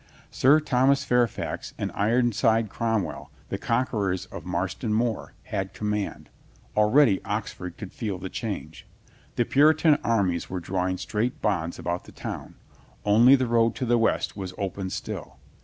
Sir Thomas Fairfax and Ironside Cromwell, the conquerors of Marston Moor, had command. Already Oxford could feel the change. The Puritan armies were drawing strait bonds about the town. Only the road to the west was open still.